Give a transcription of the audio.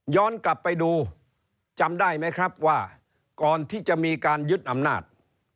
กลับไปดูจำได้ไหมครับว่าก่อนที่จะมีการยึดอำนาจ